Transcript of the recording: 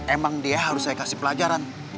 emang dia harus saya kasih pelajaran